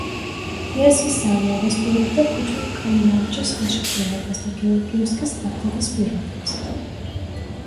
იასის ზავი ადასტურებდა ქუჩუქ-კაინარჯის ხელშეკრულებას და გეორგიევსკის ტრაქტატის პირობებს.